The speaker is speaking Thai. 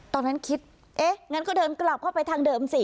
ตอนนั้นคิดเอ๊ะงั้นก็เดินกลับเข้าไปทางเดิมสิ